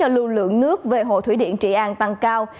lưu lượng nước về hồ thủy điện trị an tăng cao